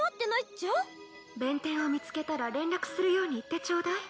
弁天を見つけたら連絡するように言ってちょうだい。